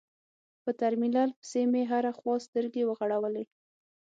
په ترمينل پسې مې هره خوا سترګې وغړولې.